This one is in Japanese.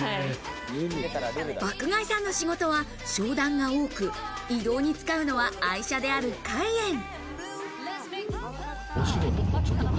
爆買いさんの仕事は商談が多く、移動に使うのは愛車であるカイエン。